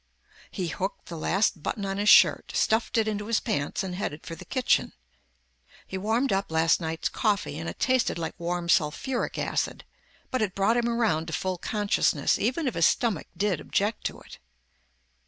He hooked the last button on his shirt, stuffed it into his pants, and headed for the kitchen. He warmed up last night's coffee and it tasted like warm sulfuric acid, but it brought him around to full consciousness, even if his stomach did object to it.